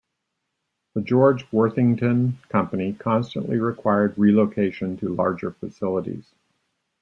The George Worthington Company constantly required relocation to larger facilities.